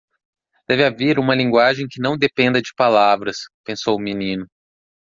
Deve haver uma linguagem que não dependa de palavras, pensou o menino.